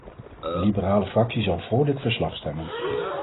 De liberale fractie zal vóór dit verslag stemmen.